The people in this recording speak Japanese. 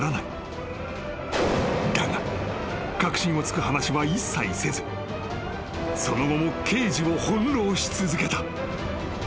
［だが核心を突く話は一切せずその後も刑事を翻弄し続けた］